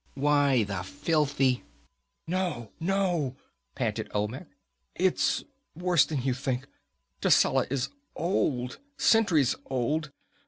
"Why, the filthy " "No, no!" panted Olmec. "It's worse than you think. Tascela is old centuries old.